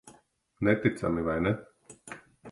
Neticami, vai ne?